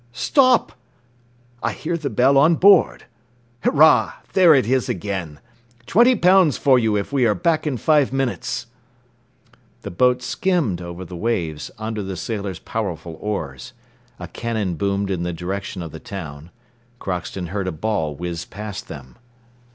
Stop! I hear the bell on board. Hurrah, there it is again! Twenty pounds for you if we are back in five minutes!" The boat skimmed over the waves under the sailors' powerful oars. A cannon boomed in the direction of the town. Crockston heard a ball whiz past them.